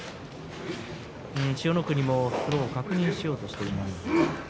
千代の国もスローを確認しようとしています。